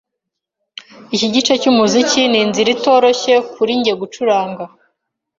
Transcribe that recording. Iki gice cyumuziki ninzira itoroshye kuri njye gucuranga.